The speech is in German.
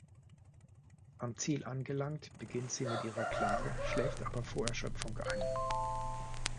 Am Ziel angelangt beginnt sie mit ihrer Klage, schläft aber vor Erschöpfung ein.